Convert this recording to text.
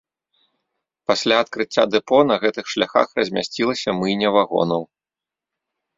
Пасля адкрыцця дэпо на гэтых шляхах размясцілася мыйня вагонаў.